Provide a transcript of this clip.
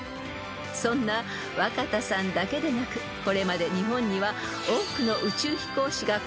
［そんな若田さんだけでなくこれまで日本には］